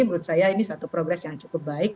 menurut saya ini satu progres yang cukup baik